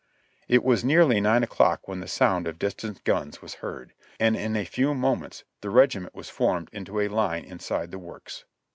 It was nearly nine o'clock when the sound of distant guns was heard, and in a few moments the regiment was formed into a line inside the works.